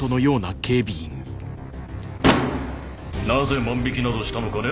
なぜ万引きなどしたのかね？